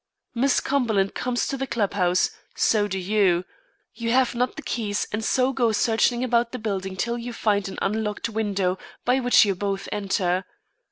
"Miss Cumberland comes to the club house; so do you. You have not the keys and so go searching about the building till you find an unlocked window by which you both enter.